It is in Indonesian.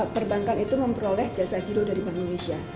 perbankan itu memperoleh jasa biro dari bank indonesia